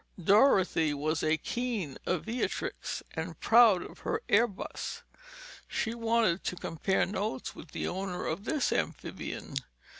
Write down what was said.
Dorothy was a keen aviatrix and proud of her airbus. She wanted to compare notes with the owner of this amphibian.